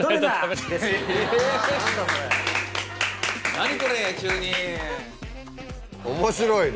何これ急に。